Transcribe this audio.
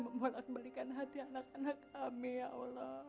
lindungilah mereka ya allah dimanapun mereka berada ya allah